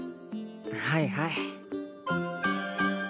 はいはい。